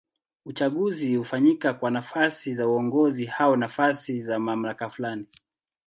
Uchaguzi hufanyika kwa nafasi za uongozi au nafasi za mamlaka fulani.